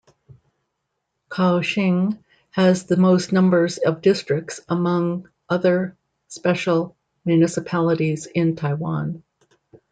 Kaohsiung has the most numbers of districts among other special municipalities in Taiwan.